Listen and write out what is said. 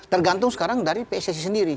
tergantung sekarang dari pssi sendiri